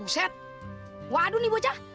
buset waduh nih bocah